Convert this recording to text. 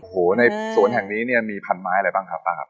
โหในสวนแห่งนี้เนี่ยมีพันไม้อะไรบ้างครับป้าครับ